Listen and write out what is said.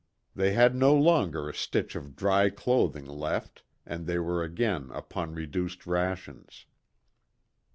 They had no longer a stitch of dry clothing left, and they were again upon reduced rations.